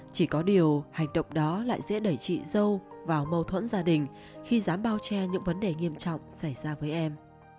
chỉ có điều hành động đó lại dễ đẩy chị dâu vào mâu thuẫn gia đình khi dám bao che những vấn đề nghiêm trọng xảy ra với em